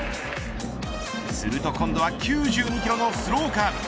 すると今度は９２キロのスローカーブ。